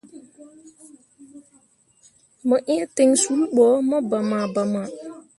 Mo iŋ ten sul ɓo mo bama bama.